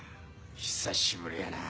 久しぶりやな。